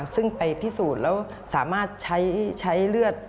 ซึ่งไปพิสูจน์แล้วสามารถใช้เลือด